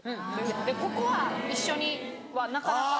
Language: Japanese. ここは一緒にはなかなか。